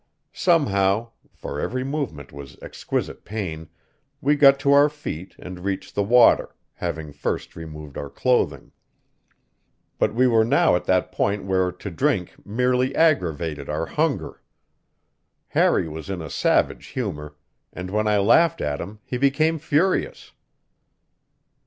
Somehow for every movement was exquisite pain we got to our feet and reached the water, having first removed our clothing. But we were now at that point where to drink merely aggravated our hunger. Harry was in a savage humor, and when I laughed at him he became furious.